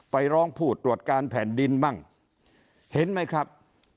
ไปร้องพูดตรวจการแผ่นดินมั่งเห็นมั้ยครับ